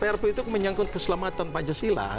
perpu itu menyangkut keselamatan pancasila